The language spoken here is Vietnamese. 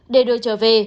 để đưa trở về